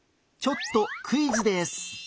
ちょっとクイズです。